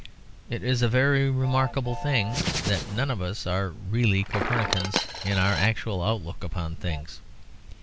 It is a very remarkable thing that none of us are really Copernicans in our actual outlook upon things.